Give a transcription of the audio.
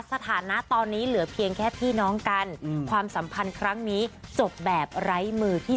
สถานะตอนนี้เหลือเพียงแค่พี่น้องกันความสัมพันธ์ครั้งนี้จบแบบไร้มือที่๓